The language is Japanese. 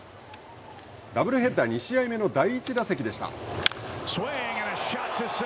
ダブルヘッダー２試合目の第１打席でした。